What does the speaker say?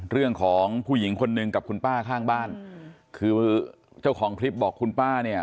เรื่องของผู้หญิงคนนึงกับคุณป้าข้างบ้านคือเจ้าของคลิปบอกคุณป้าเนี่ย